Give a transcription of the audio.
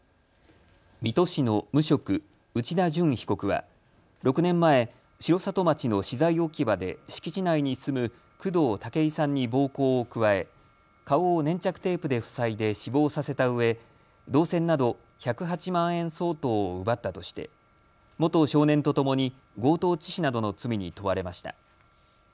水戸市の無職、内田潤被告は６年前、城里町の資材置き場で敷地内に住む工藤武衛さんに暴行を加え顔を粘着テープで塞いで死亡させたうえ銅線など１０８万円相当を奪ったとして元少年とともに強盗致死などの罪に問われました。